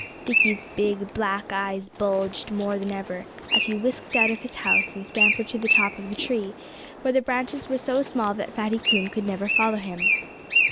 Dickie's big, black eyes bulged more than ever as he whisked out of his house and scampered to the top of the tree, where the branches were so small that Fatty Coon could never follow him.